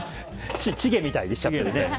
チゲみたいにしちゃって。